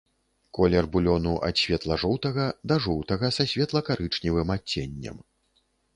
Колер булёну ад светла-жоўтага да жоўтага са светла-карычневым адценнем.